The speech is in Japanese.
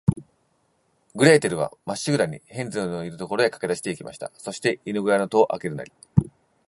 グレーテルは、まっしぐらに、ヘンゼルのいる所へかけだして行きました。そして、犬ごやの戸をあけるなり、